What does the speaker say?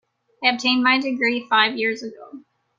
I obtained my degree five years ago.